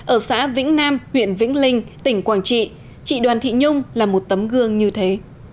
ở xã vĩnh nam huyện vĩnh linh tỉnh quảng trị chị đoàn thị nhung là một tấm gương như thế